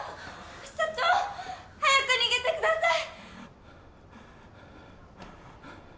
社長早く逃げてください！